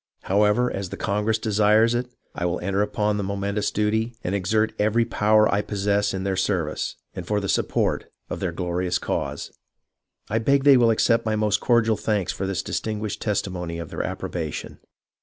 However, as the congress desires it, I will enter upon the momentous duty, and exert every power I possess in their service, and for the support of their glori ous cause. I beg they will accept my most cordial thanks for this distinguished testimony of their approbation.